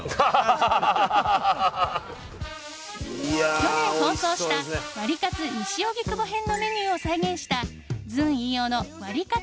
去年、放送したワリカツ西荻窪編のメニューを再現したずん飯尾のワリカツ！